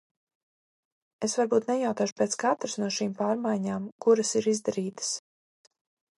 Es varbūt nejautāšu pēc katras no šīm pārmaiņām, kuras ir izdarītas.